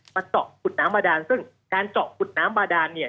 เจาะขุดน้ำบาดานซึ่งการเจาะขุดน้ำบาดานเนี่ย